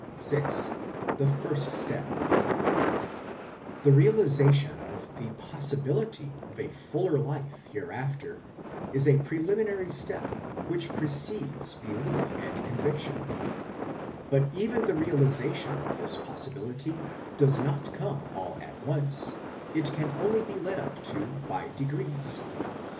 14 210 IMMORTALITY AND THE UNSEEN WORLD VI. THE FIRST STEP l The realization of the possibility of a fuller life hereafter is a preliminary step which precedes belief and conviction ; but even the realization of this possibility does not come all at once ; it can only be led up to by degrees.